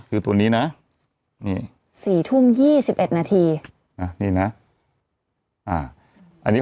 คือตัวนี้นะนี่สี่ทุ่มยี่สิบเอ็ดนาทีอ่ะนี่นะอ่าอันนี้